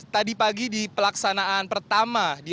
tadi pagi di pelaksanaan pertama